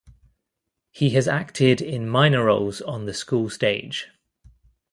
He has acted in minor roles on the school stage.